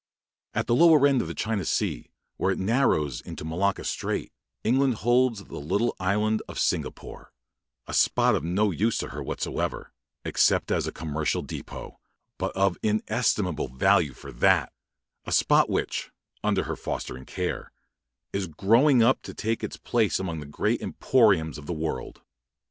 At the lower end of the China Sea, where it narrows into Malacca Strait, England holds the little island of Singapore a spot of no use to her whatever, except as a commercial depôt, but of inestimable value for that; a spot which, under her fostering care, is growing up to take its place among the great emporiums of the world.